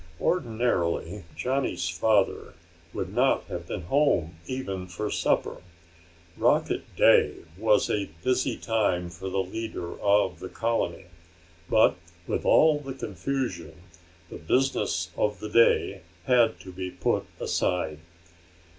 Ordinarily Johnny's father would not have been home even for supper. Rocket day was a busy time for the leader of the colony. But with all the confusion, the business of the day had to be put aside.